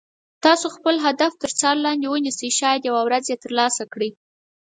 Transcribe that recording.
تاسو خپل هدف تر څار لاندې ونیسئ شاید یوه ورځ یې تر لاسه کړئ.